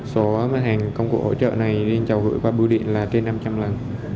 số hàng công cụ hỗ trợ này cháu gửi qua bưu điện là trên năm trăm linh lần